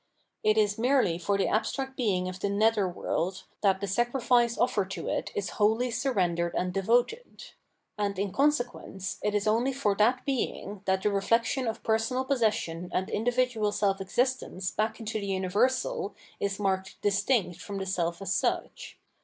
It is merely for the abstract Being of the netherworld that the sacrifice offered to it is wholly surrendered and devoted ; and, in consequence, it is only for that Being that the reflection of personal possession and individual self existence back into the Universal is marked distinct. from the self as such.